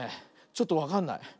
ちょっとわかんない。